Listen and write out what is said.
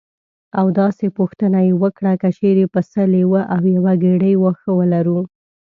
او داسې پوښتنه یې وکړه: که چېرې پسه لیوه او یوه ګېډۍ واښه ولرو.